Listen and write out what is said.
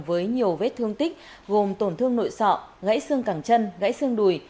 với nhiều vết thương tích gồm tổn thương nội sọ gãy xương cẳng chân gãy xương đùi